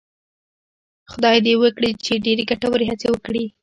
خدای دې وکړي چې ډېرې ګټورې هڅې وکړي.